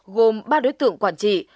gồm ba đối tượng quản trị